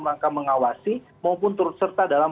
rangka mengawasi maupun turut serta dalam